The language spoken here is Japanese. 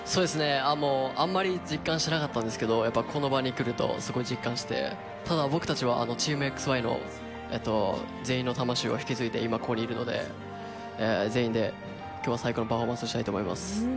あんまり実感しなかったんですけど、やっぱりこの場に来るとすごい実感して、ただ、僕たちはチームＸＹの全員の魂を引き継いで今、ここにいるので、全員できょうは最高のパフォーマンスをしたいと思います。